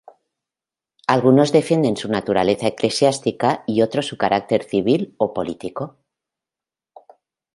Algunos defienden su naturaleza eclesiástica y otros su carácter civil o político.